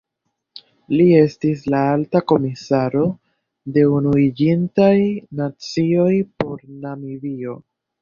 Li estis la Alta Komisaro de Unuiĝintaj Nacioj por Namibio.